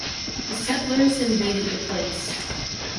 The settlers invaded the place.